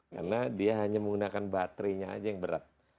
karena dia hanya menggunakan baterainya aja yang berat